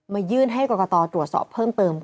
ยื่นให้กรกตตรวจสอบเพิ่มเติม